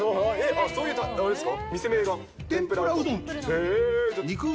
そういうあれですか？